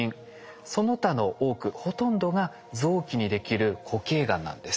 その他の多くほとんどが臓器にできる固形がんなんです。